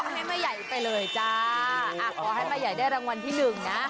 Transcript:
ขอให้มาย์ใหญ่ไปเลยขอให้มาย์ใหญ่ได้รางวัลที่๑นะ